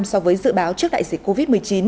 so với dự báo trước đại dịch covid một mươi chín